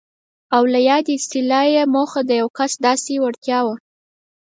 او له یادې اصطلاح یې موخه د یو کس داسې وړتیا وه.